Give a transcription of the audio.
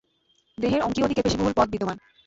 দেহের অঙ্কীয় দিকে পেশিবহুল পদ বিদ্যমান।